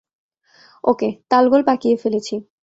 ওকে, তালগোল পাকিয়ে ফেলেছি।